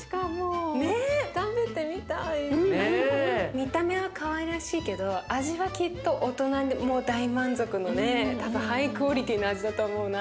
見た目はかわいらしいけど味はきっと大人も大満足のね多分ハイクオリティーな味だと思うな。